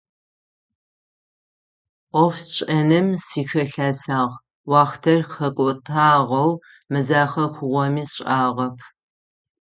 Ӏофшӏэным сыхилъэсагъ, уахътэр хэкӏотагъэу мэзахэ хъугъэми сшӏагъэп.